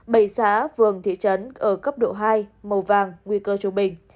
bảy xã vườn thị trấn ở cấp độ hai màu vàng nguy cơ trung bình